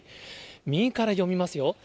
右から読みますよ。